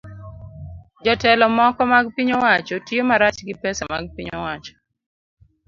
Jotelo moko mag piny owacho tiyo marach gi pesa mag piny owacho